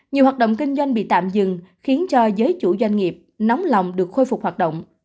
nhiều hoạt động kinh doanh bị tạm dừng khiến cho giới chủ doanh nghiệp nóng lòng được khôi phục hoạt động